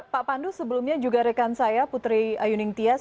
pak pandu sebelumnya juga rekan saya putri ayuning tias